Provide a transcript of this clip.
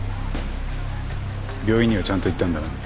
病院にはちゃんと行ったんだよな？